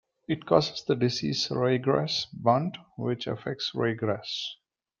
It causes the disease Ryegrass bunt, which affects ryegrass.